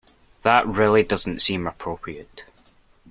That really doesn't seem appropriate.